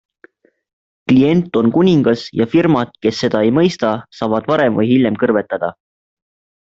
Klient on kuningas ja firmad, kes seda ei mõista, saavad varem või hiljem kõrvetada.